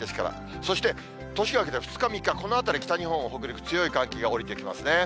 そして年が明けて２日、３日、このあたりが北日本を時々強い寒気が下りてきますね。